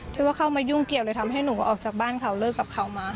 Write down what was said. ที่ว่าเข้ามายุ่งเกี่ยวเลยทำให้หนูออกจากบ้านเขาเลิกกับเขามา